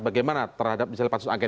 bagaimana terhadap misalnya pasukan anggel